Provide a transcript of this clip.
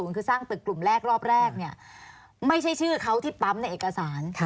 คือสร้างตึกกลุ่มแรกรอบแรกเนี่ยไม่ใช่ชื่อเขาที่ปั๊มในเอกสาร